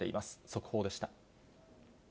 速報でした。